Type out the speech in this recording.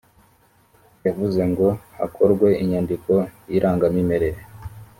yavuze ngo hakorwe inyandiko y irangamimerere .